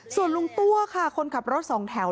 ส่วนลุงตัวค่ะคนขับรถสองแถว